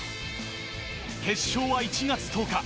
決勝は１月１０日。